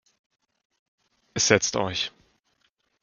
Setzt euch.